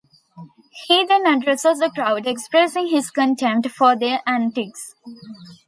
He then addresses the crowd, expressing his contempt for their antics.